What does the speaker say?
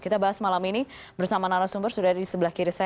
kita bahas malam ini bersama narasumber sudah ada di sebelah kiri saya